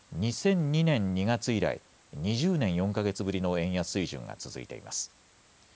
２００２年２月以来、２０年４か月ぶりの円安水準が続いています。